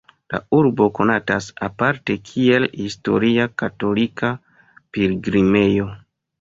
La urbo konatas aparte kiel historia katolika pilgrimejo.